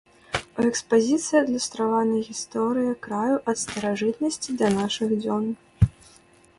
У экспазіцыі адлюстравана гісторыя краю ад старажытнасці да нашых дзён.